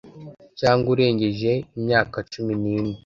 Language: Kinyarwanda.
cyangwa urengeje imyaka cumi n’ine